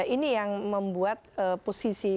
ini yang membuat posisi